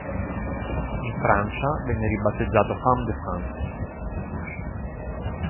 In Francia, venne ribattezzato "Femmes de France".